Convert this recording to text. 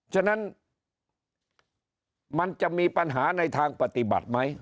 ฉะนั้นมันจะมีปัญหาในทางปฏิบัติไหม